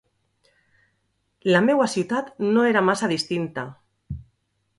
La meua ciutat no era massa distinta.